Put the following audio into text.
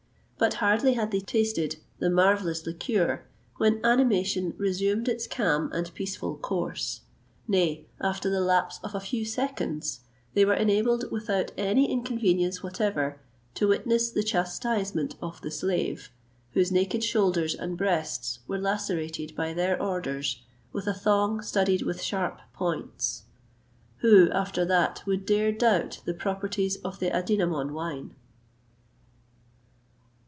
But hardly had they tasted the marvellous liqueur when animation resumed its calm and peaceful course; nay, after the lapse of a few seconds, they were enabled, without any inconvenience whatever, to witness the chastisement of the slave, whose naked shoulders and breasts were lacerated by their orders with a thong studded with sharp points.[XXVIII 159] Who, after that, would dare doubt the properties of the adynamon wine?